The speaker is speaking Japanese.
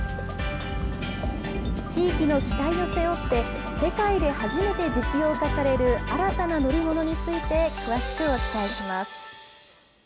地域の期待を背負って、世界で初めて実用化される新たな乗り物について詳しくお伝えします。